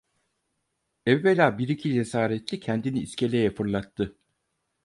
Evvela bir iki cesaretli kendini iskeleye fırlattı.